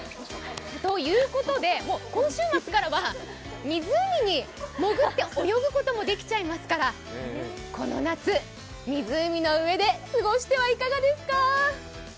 ということで、今週末からは湖に潜って泳ぐこともできちゃいますからこの夏、湖の上で過ごしてはいかがですか？